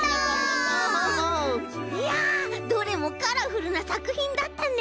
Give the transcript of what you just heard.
いやどれもカラフルなさくひんだったね。